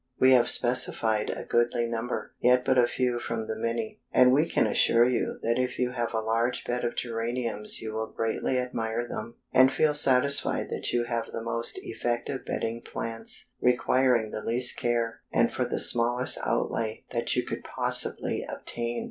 We have specified a goodly number, yet but a few from the many, and we can assure you that if you have a large bed of geraniums you will greatly admire them, and feel satisfied that you have the most effective bedding plants, requiring the least care, and for the smallest outlay, that you could possibly obtain.